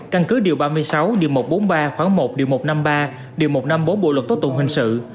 căn cứ điều ba mươi sáu điều một trăm bốn mươi ba khoảng một điều một trăm năm mươi ba điều một trăm năm mươi bốn bộ luật tố tụng hình sự